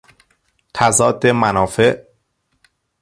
تضاد منافع